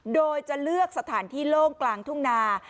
โดยจะเลือกสถานที่โล่งกลางทุ่งนา